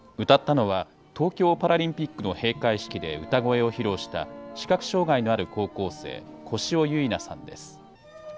歌ったのは、東京パラリンピックの閉会式で歌声を披露した、視覚障害のある高校生、小汐唯菜さんです。